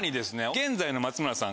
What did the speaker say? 現在の松村さん